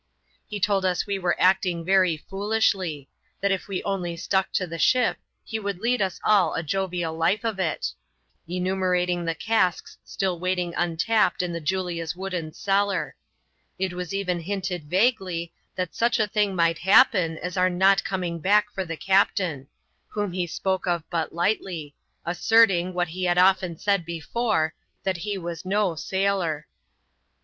He told us we were acting very foolishly ; that if we only stuck to the ship, he would lead us all a jovial life of it ; enumerating the casks still remaining untapped in the Julia's wooden cellar. It was even hinted vaguely, that such a thing mi^ht happen as our not coming back for the c«^\;da£L\ ^VqtsOsi^ o 4 8& ADVENTURES IN THE SOUTH SEAS, [chap. xxra. spoke of but lightly ; asserting, what he had often said before, that he was no sailor.